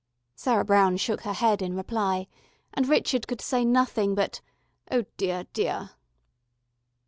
Sarah Brown shook her head in reply, and Richard could say nothing but "Oh deah, deah...."